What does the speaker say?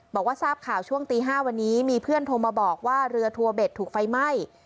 บอกว่าทราบข่าวช่วงตี๕วันนี้มีเพื่อนโทรมาบอกว่าเรือทัวเบ็ดถูกไฟไหม้